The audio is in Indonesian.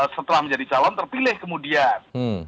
setelah menjadi calon terpilih kemudian